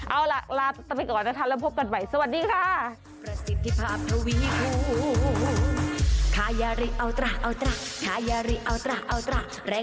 เอาล่ะลาไปก่อนนะคะแล้วพบกันใหม่สวัสดีค่ะ